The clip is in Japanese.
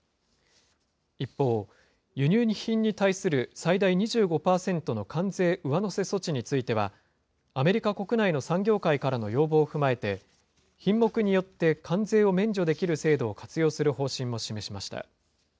一方、輸入品に対する最大２５％の関税上乗せ措置については、アメリカ国内の産業界からの要望を踏まえて、品目によって関税を免除できる制度を活用する方針も示しました。